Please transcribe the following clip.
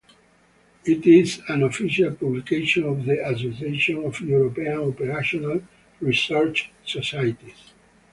It is an official publication of the Association of European Operational Research Societies.